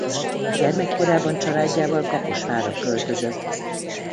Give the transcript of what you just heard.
Gyermekkorában családjával Kaposvárra költözött.